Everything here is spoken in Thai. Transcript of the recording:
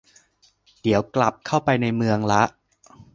เดี๋ยวกลับเข้าไปในเมืองละ